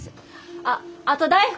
あっあと大福も。